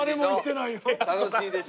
楽しいでしょ？